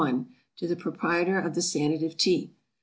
_To the Proprietor of the Sanative Tea.